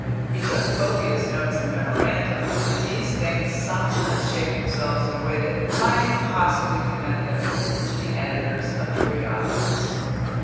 He took copious notes and memoranda, and these things sometimes shaped themselves in a way that might possibly commend them to the editors of periodicals.